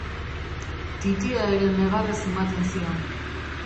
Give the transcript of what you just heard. Titia ere negarrez ematen zion.